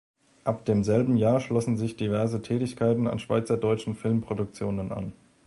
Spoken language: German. Ab demselben Jahr schlossen sich diverse Tätigkeiten an schweizerdeutschen Filmproduktionen an.